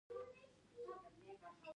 د تماس ناروغۍ د پوست تماس له امله دي.